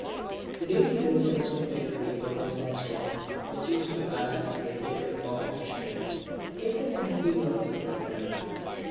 The daily bulletins of victory or disaster which used to arrive from the theatre of action kept us in a fever of excitement.